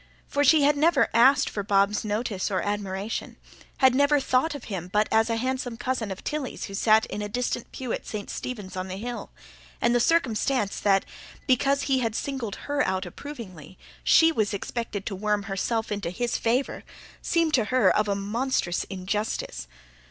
For she had never asked for Bob's notice or admiration, had never thought of him but as a handsome cousin of Tilly's who sat in a distant pew at St Stephen's on the Hill; and the circumstance that, because he had singled her out approvingly, she was expected to worm herself into his favour, seemed to her of a monstrous injustice.